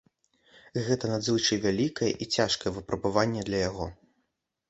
Гэта надзвычай вялікае і цяжкое выпрабаванне для яго.